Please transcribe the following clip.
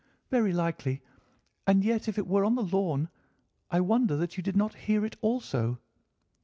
"'Very likely. And yet if it were on the lawn, I wonder that you did not hear it also.